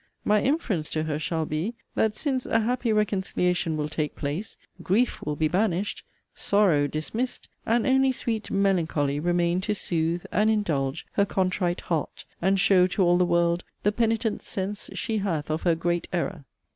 My inference to her shall be, that since a happy reconciliation will take place, 'grief' will be banished; 'sorrow' dismissed; and only sweet 'melancholy' remain to 'sooth' and 'indulge' her contrite 'heart,' and show to all the world the penitent sense she hath of her great error.